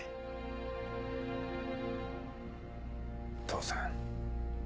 父さん。